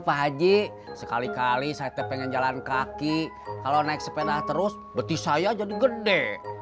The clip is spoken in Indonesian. pak haji sekali kali saya pengen jalan kaki kalau naik sepeda terus beti saya jadi gede